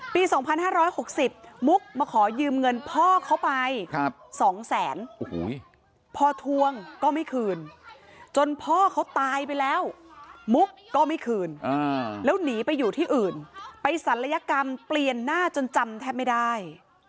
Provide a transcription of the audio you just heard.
ปี๒๕๖๐มุกมาขอยืมเงินพ่อเขาไป๒แสนพอทวงก็ไม่คืนจนพ่อเขาตายไปแล้วมุกก็ไม่คืนแล้วหนีไปอยู่ที่อื่นไปศัลยกรรมเปลี่ยนหน้าจนจำแทบไม่ได้